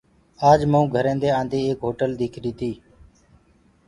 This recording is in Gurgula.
آج مئون گھرينٚدي آ نٚدي ايڪ هوٽل ديٚکريٚ تيٚ